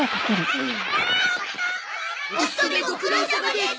お勤めご苦労さまです！